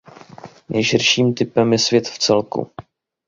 Nejširším typem je svět v celku.